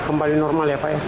kembali normal ya pak